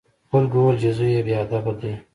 خلکو وویل چې زوی یې بې ادبه دی.